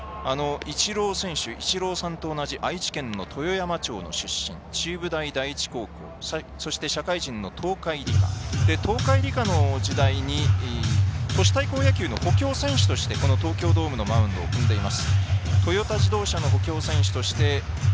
イチローさんと同じ愛知県豊山町出身中部第一高校社会人の東海理化東海理化の時代に都市対抗野球の補強選手として東京ドームのマウンドを踏んでいます。